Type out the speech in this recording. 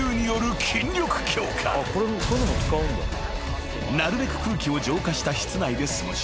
［なるべく空気を浄化した室内で過ごし］